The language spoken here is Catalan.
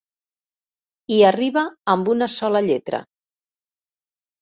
Hi arriba amb una sola lletra.